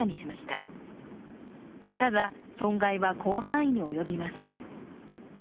ただ、損害は広範囲に及びます。